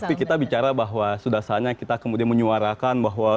tapi kita bicara bahwa sudah saatnya kita kemudian menyuarakan bahwa